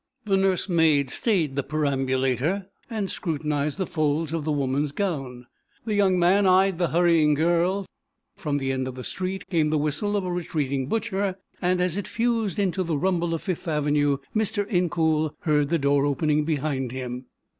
The nurse maid stayed the perambulator and scrutinized the folds of the woman's gown; the young man eyed the hurrying girl; from the end of the street came the whistle of the retreating butcher, and as it fused into the rumble of Fifth avenue, Mr. Incoul heard the door opening behind him.